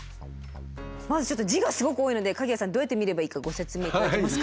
まずちょっと字がすごく多いので鍵屋さんどうやって見ればいいかご説明頂けますか。